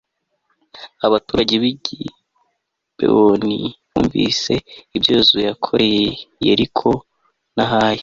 abaturage b'i gibewoni bumvise ibyo yozuwe yakoreye yeriko na hayi